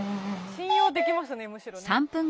信用できますねむしろね。